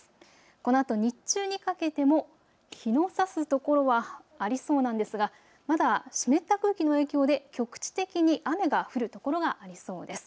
このあと日中にかけても日のさす所はありそうなんですがまだ湿った空気の影響で局地的に雨が降るところがありそうです。